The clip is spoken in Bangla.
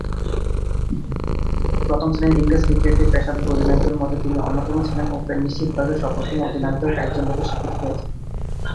প্রথম-শ্রেণীর ইংরেজ ক্রিকেটে পেশাদার অধিনায়কদের মধ্যে তিনি অন্যতম ছিলেন ও নিশ্চিতভাবেই সফলতম অধিনায়কদের একজনরূপে স্বীকৃতি পেয়েছেন।